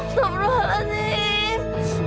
tunggu mas ip